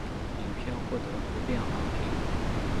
影片获得普遍好评。